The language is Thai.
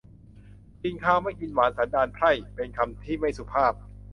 กินคาวไม่กินหวานสันดานไพร่ เป็นคำที่ไม่สุภาพ